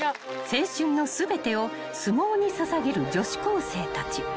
［青春の全てを相撲に捧げる女子高生たち］